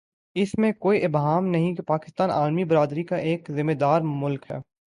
اس میں کوئی ابہام نہیں پاکستان عالمی برادری کا ایک ذمہ دارملک ہے۔